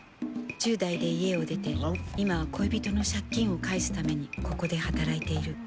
１０代で家を出て今は恋人の借金を返すためにここで働いている。